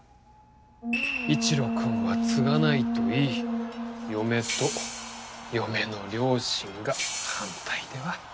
一路君は継がないと言い嫁と嫁の両親が反対では。